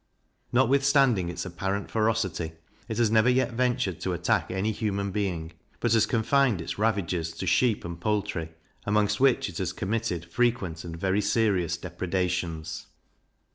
Notwithstanding its apparent ferocity, it has never yet ventured to attack any human being, but has confined its ravages to sheep and poultry, amongst which it has committed frequent and very serious depredations.